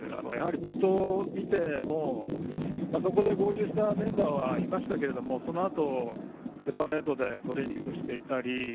冒頭を見ても、そこで合流したメンバーはいましたがそのあと、セパレートでトレーニングしていたり。